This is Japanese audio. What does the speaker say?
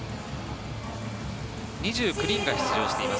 ２９人が出場しています。